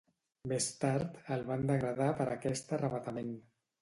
Més tard, el van degradar per aquest arravatament.